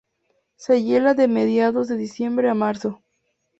Se hiela de mediados de diciembre a marzo.